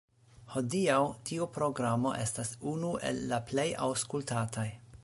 Hodiaŭ tiu programo estas unu el la plej aŭskultataj.